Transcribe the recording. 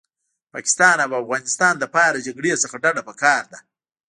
پاکستان او افغانستان لپاره جګړې څخه ډډه پکار ده